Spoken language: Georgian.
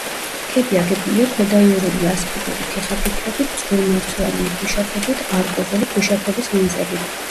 ქედი აგებულია ქვედაიურული ასპიდური თიხაფიქლებით, წვრილმარცვლოვანი ქვიშაქვებით, არკოზული ქვიშაქვების ლინზებით.